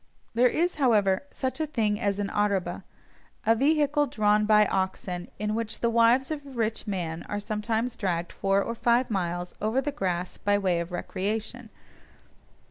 There is, however, such a thing as an "araba," a vehicle drawn by oxen, in which the wives of a rich man are sometimes dragged four or five miles over the grass by way of recreation.